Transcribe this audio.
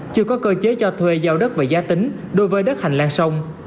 chưa có cơ chế cho thuê giao đất về giá tính đối với đất hành lan sông